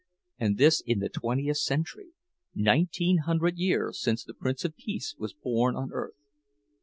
And this in the twentieth century, nineteen hundred years since the Prince of Peace was born on earth!